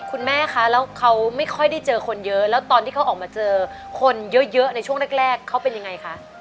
คุณแม่คะแล้วเขาไม่ค่อยได้เจอคนเยอะแล้วตอนที่เขาออกมาเจอคนเยอะในช่วงแรกเขาเป็นยังไงคะ